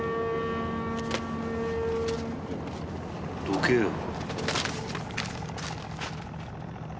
どけよ。